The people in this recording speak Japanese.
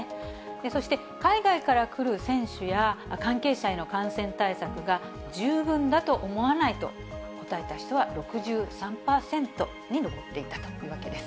そして、海外から来る選手や関係者への感染対策が十分だと思わないと答えた人は６３％に上っていたというわけです。